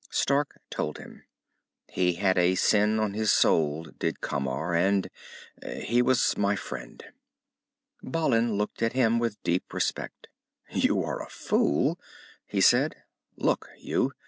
Stark told him. "He had a sin on his soul, did Camar. And he was my friend." Balin looked at him with deep respect. "You were a fool," he said. "Look you.